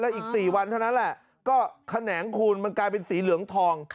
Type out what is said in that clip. อีก๔วันเท่านั้นแหละก็แขนงคูณมันกลายเป็นสีเหลืองทอง